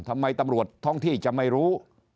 ทำไมตำรวจท้องที่จะไม่รู้